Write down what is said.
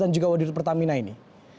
dan juga wadirut pertamina ini